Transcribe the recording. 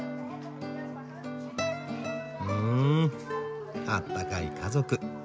んあったかい家族。